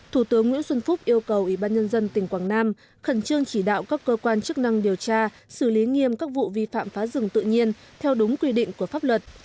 thủ tướng nguyễn xuân phúc yêu cầu ủy ban nhân dân tỉnh quảng nam khẩn trương chỉ đạo các cơ quan chức năng điều tra xử lý nghiêm các vụ vi phạm phá rừng tự nhiên theo đúng quy định của pháp luật